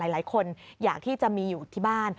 หลายคนอยากที่จะมีอยู่ที่บ้าน